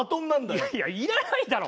いやいやいらないだろ。